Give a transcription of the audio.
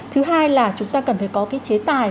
thứ hai là chúng ta cần phải có cái chế tài